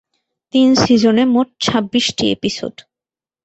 তিন সিজনে মোট ছাব্বিশটি এপিসোড।